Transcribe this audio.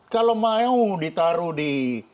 kalau mau ditaruh di